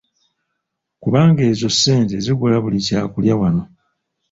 Kubanga ezo sente zigula buli kyakulya wano.